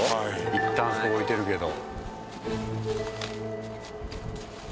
いったんあそこ置いてるけど。